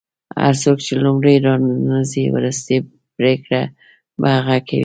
هر څوک چې لومړی راننوځي وروستۍ پرېکړه به هغه کوي.